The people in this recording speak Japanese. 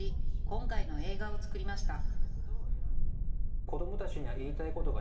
今回の映画を作りました。